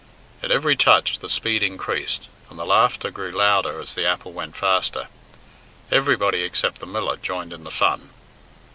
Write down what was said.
At every touch the speed increased, and the laughter grew louder as the apple went faster. Everybody, except the miller, joined in the fun.